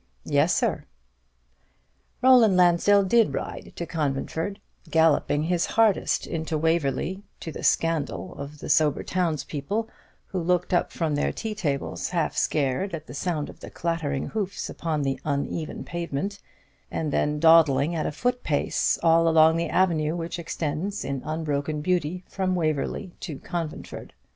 "Yes, sir." Roland Lansdell did ride to Conventford; galloping his hardest into Waverly, to the scandal of the sober townspeople, who looked up from their tea tables half scared at the sound of the clattering hoofs upon the uneven pavement; and then dawdling at a foot pace all along the avenue which extends in unbroken beauty from Waverly to Conventford.